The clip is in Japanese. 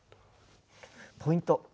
ポイント